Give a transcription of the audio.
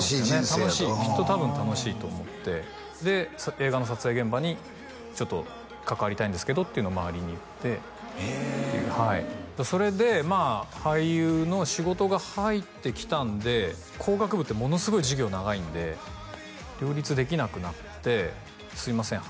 楽しい人生やときっと多分楽しいと思ってで映画の撮影現場にちょっと関わりたいんですけどっていうのを周りに言ってそれで俳優の仕事が入ってきたんで工学部ってものすごい授業長いんで両立できなくなってすいません